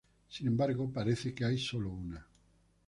Sin embargo, parece que hay sólo una.